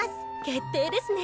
決定ですね。